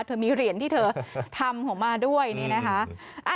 มีเหรียญที่เธอทำของมาด้วยนี่นะคะ